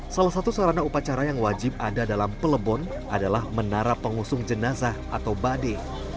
salah satu sarana upacara yang wajib ada dalam pelebon adalah menara pengusung jenazah atau bade